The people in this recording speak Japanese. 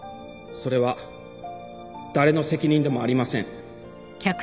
それは誰の責任でもありません。